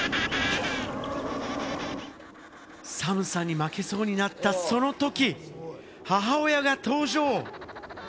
寒さに負けそうになったその時、母親が登場。